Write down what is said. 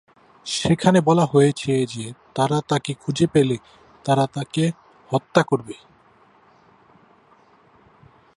সেখানে বলা হয়েছিল যে তারা তাকে খুঁজে পেলে তারা তাকে হত্যা করবে।